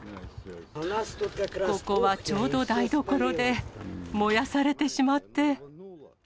ここはちょうど台所で、燃やされてしまって。